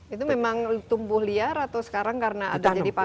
itu memang tumbuh liar atau sekarang karena ada jadi panas